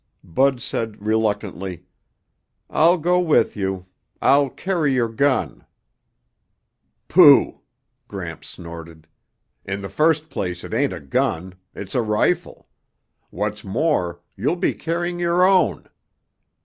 Bud said reluctantly, "I'll go with you. I'll carry your gun." "Pooh!" Gramps snorted. "In the first place it ain't a gun. It's a rifle. What's more, you'll be carrying your own.